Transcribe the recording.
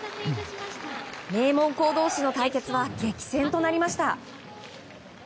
名門校同士の対決は激戦となりました。